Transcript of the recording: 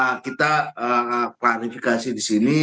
nah makanya kita klarifikasi disini